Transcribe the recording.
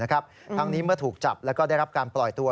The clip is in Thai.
ทั้งนี้เมื่อถูกจับแล้วก็ได้รับการปล่อยตัว